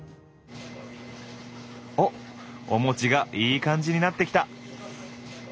おっお餅がいい感じになってきた。